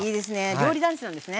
料理男子なんですね。